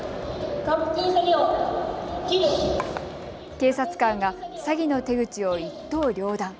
警察官が詐欺の手口を一刀両断。